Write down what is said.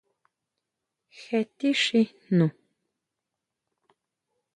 ¿Jé tixí jnu?